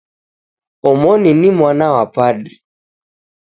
Omoni ni mwana wa padri.